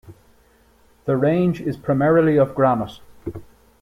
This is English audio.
The range is primarily of granite.